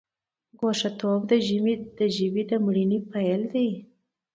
ګوښه توب د ژبې د مړینې پیل دی.